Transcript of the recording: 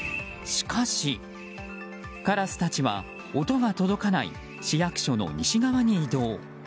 しかしカラスたちは、音が届かない市役所の西側に移動。